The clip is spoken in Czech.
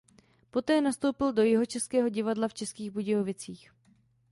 Poté nastoupil do Jihočeského divadla v Českých Budějovicích.